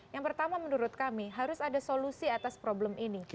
yang pertama menurut kami harus ada solusi atas problem ini